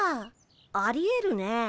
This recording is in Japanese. ありえるね。